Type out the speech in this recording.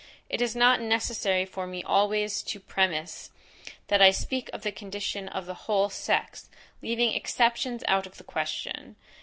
It is not necessary for me always to premise, that I speak of the condition of the whole sex, leaving exceptions out of the question.